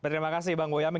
terima kasih bang boyamin